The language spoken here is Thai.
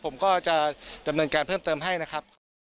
ผมก็จะดำเนินการเพิ่มเติมให้นะครับ